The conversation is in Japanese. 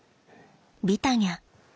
ビタニャ。